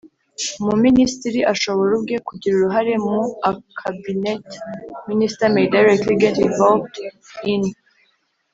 Umuminisitiri ashobora ubwe kugira uruhare mu A cabinet minister may directly get involved in